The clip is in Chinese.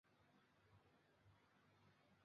眼斑棘蛙为蛙科蛙属的两栖动物。